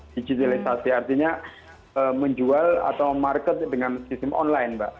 digitalisasi artinya menjual atau market dengan sistem online mbak